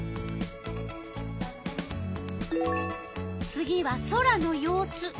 次は空の様子。